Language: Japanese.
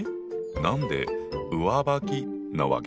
何で「上履き」なわけ？